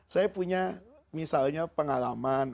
saya punya misalnya pengalaman